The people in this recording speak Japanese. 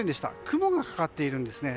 雲がかかっているんですね。